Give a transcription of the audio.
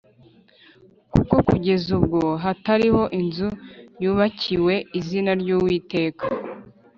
kuko kugeza ubwo hatariho inzu yubakiwe izina ry’Uwiteka.